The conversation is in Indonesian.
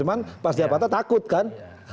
cuma pas di apatah takut kan